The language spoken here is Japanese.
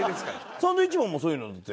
サンドウィッチマンもそういうのって？